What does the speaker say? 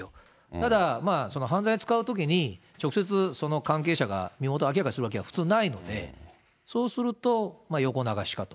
ただ犯罪で使うときに、直接、その関係者が身元、明らかにするわけは普通ないので、そうすると、横流しかと。